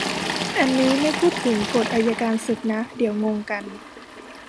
อันนี้ไม่พูดถึงกฎอัยการศึกนะ เดี๋ยวงงกัน